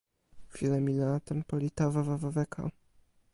wile mi la tenpo li tawa wawa weka.